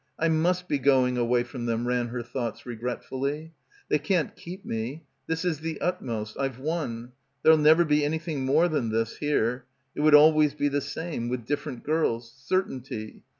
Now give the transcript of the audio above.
I must be going away from them," ran her thoughts regretfully. "They can't keep me. This is the utmost. I've won. There'll never be anything more than this, here. It would always be the same — with different girls. Cer tainty.